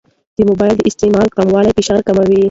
د موبایل د استعمال کمول فشار کموي.